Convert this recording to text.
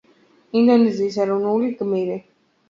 ინდონეზიის ეროვნული გმირი.